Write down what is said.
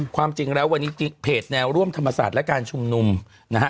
ความจริงแล้ววันนี้เพจแนวร่วมธรรมศาสตร์และการชุมนุมนะฮะ